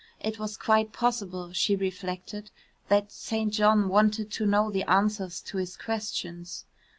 It was quite possible, she reflected, that St. John wanted to know the answers to his questions.